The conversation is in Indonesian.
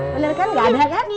bener kan nggak ada kan